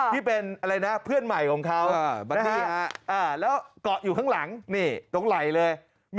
ที่เป็นเพื่อนใหม่ของเขาแล้วกะอยู่ข้างหลังตรงไหลเลย